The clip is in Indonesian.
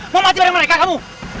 mau mati bareng mereka kamu